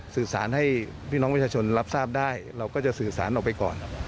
สื่อสารให้พี่น้องประชาชนรับทราบได้เราก็จะสื่อสารออกไปก่อน